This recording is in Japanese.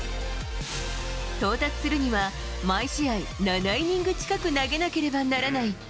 到達するには、毎試合７イニング近く投げなければならない。